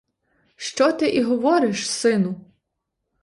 Що ти і говориш, сину?